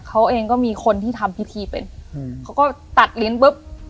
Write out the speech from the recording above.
เขาเองก็มีคนที่ทำพิธีเป็นอืมเขาก็ตัดลิ้นปุ๊บ